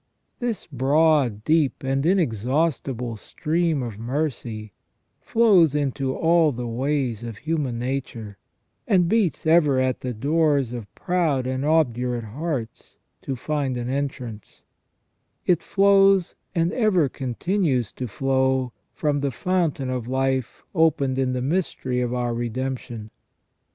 This broad, deep, and inexhaustible stream of mercy flows into all the ways of human nature, and beats ever at the doors of proud and obdurate hearts to find an entrance ; it flows, and ever continues to flow, from the fountain of life opened in the mystery of our redemption.